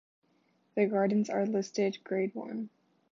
The gardens are listed Grade One.